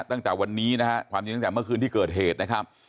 ตั้งแต่วันนี้นะฮะความจริงตั้งแต่เมื่อคืนที่เกิดเหตุนะครับ